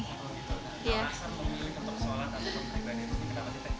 kenapa memilih untuk sholat